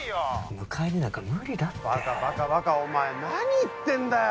・迎えになんか無理だって☎バカバカお前何言ってんだよ！